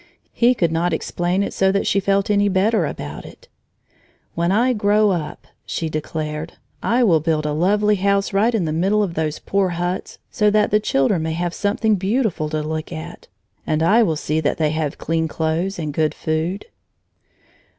He could not explain it so that she felt any better about it. "When I grow up," she declared, "I will build a lovely house right in the middle of those poor huts, so that the children may have something beautiful to look at; and I will see that they have clean clothes and good food."